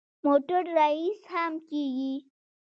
موټر ریس هم کېږي.